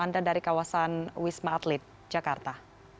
anda dari kawasan wisma atlet jakarta